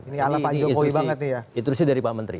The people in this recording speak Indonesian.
ini ala pak jokowi banget nih ya